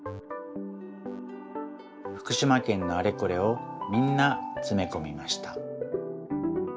福島県のあれこれをみんなつめこみました。